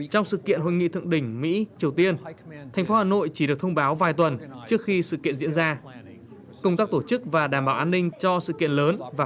chủ tịch hồ chí minh dành riêng cho lực lượng cảnh vệ